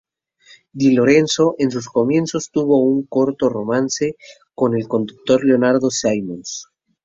Di Lorenzo, en sus comienzos, tuvo un corto romance con el conductor Leonardo Simons.